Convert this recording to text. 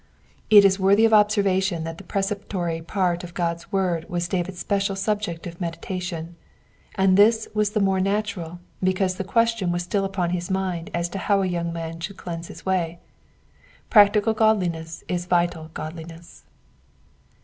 It is worthy of observation that the pre ceptory part of God's word was David's special subject of meditation, and this was the more natural because the question was still upon his mind as to how a young man should cleanse his way. Practical godliness is vital godliness.